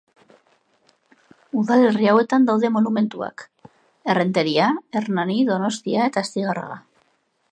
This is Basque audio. Udalerri hauetan daude monumentuak: Errenteria, Hernani, Donostia eta Astigarraga.